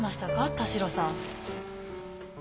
田代さん。